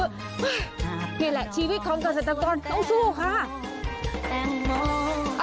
นี่แหละชีวิตของเกษตรกรต้องสู้ค่ะ